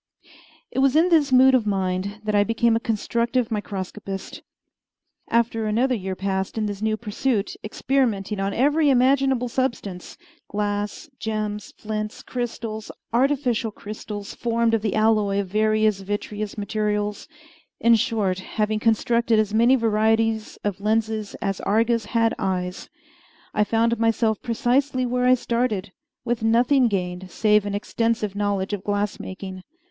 It was in this mood of mind that I became a constructive microscopist. After another year passed in this new pursuit, experimenting on every imaginable substance glass, gems, flints, crystals, artificial crystals formed of the alloy of various vitreous materials in short, having constructed as many varieties of lenses as Argus had eyes I found myself precisely where I started, with nothing gained save an extensive knowledge of glass making.